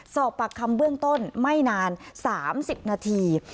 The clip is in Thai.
สอบปากคำเบื้องต้นไม่นาน๓๐นาที